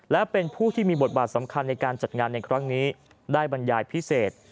และเป็นผู้ที่มีบทบาทสำคัญในการจัดงานในครั้งนี้ได้บรรยายพิเศษ